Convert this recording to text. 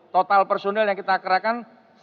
total personel yang kita kerakan